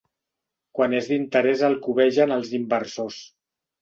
Quan és d'interès el cobegen els inversors.